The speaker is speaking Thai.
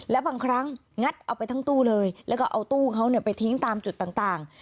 และบางครั้งงัดเอาไปทั้งตู้เลยแล้วก็เอาตู้เขาไปทิ้งตามจุดต่าง